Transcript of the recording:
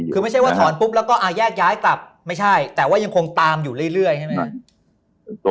คือไม่ใช่ว่าถอนปุ๊บแล้วก็แยกย้ายกลับไม่ใช่แต่ว่ายังคงตามอยู่เรื่อยใช่ไหมครับ